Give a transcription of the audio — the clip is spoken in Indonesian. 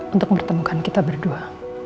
untuk menemukan kita berdua